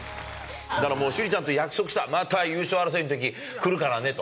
だから朱莉ちゃんと約束した、また優勝争いのとき、来るからねと。